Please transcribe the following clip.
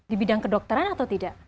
di bidang kedokteran atau tidak